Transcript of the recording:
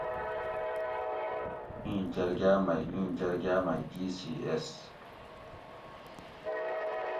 ایں جرگا مئ ایں جرگاۤ مئ جی سی ایس